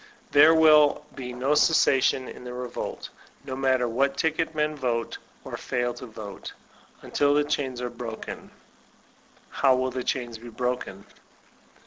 There will be no cessation in that re volt, no matter what ticket men vote or fail to vote, until the chains are broken. How will the chains be broken